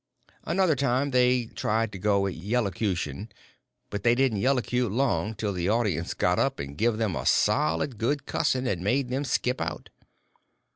Another time they tried to go at yellocution; but they didn't yellocute long till the audience got up and give them a solid good cussing, and made them skip out.